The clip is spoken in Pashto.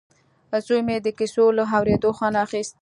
زوی مې د کیسو له اورېدو خوند اخیست